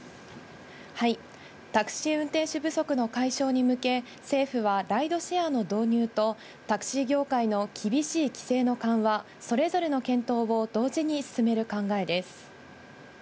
タクシー運転手不足の解消に向け、政府はライドシェアの導入と、タクシー業界の厳しい規制の緩和、それぞれの検討を同時に進める考えです。